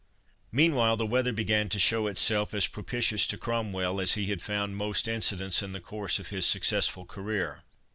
Meanwhile, the weather began to show itself as propitious to Cromwell, as he had found most incidents in the course of his successful career.